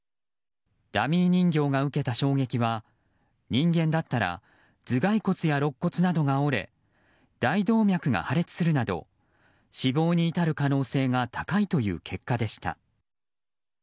ダミー人形が受けた衝撃は人間だったら頭がい骨や、ろっ骨などが折れ大動脈が破裂するなど死亡に至る可能性が高いという結果でした。